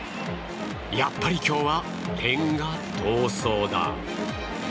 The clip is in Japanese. やっぱり今日は点が遠そうだ。